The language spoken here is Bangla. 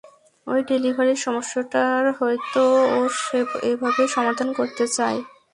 ঐ ডেলিভারির সমস্যাটার, হয়তো ও এভাবেই সমাধান করতে চায়।